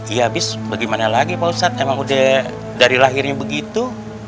iya abis bagaimana lagi pak ustadz emang udah dari lahirnya begitu